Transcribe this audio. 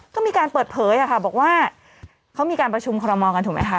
ก็มีการเปิดเผยค่ะบอกว่าเขามีการประชุมคอรมอลกันถูกไหมคะ